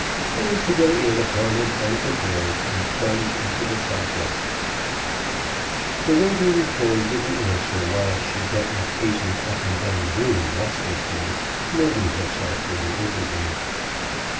Better to go in upon him unprepared, and plunge into the subject. The waiter returned with the answer while she yet was pacing up and down the room restlessly, nerving herself for the interview.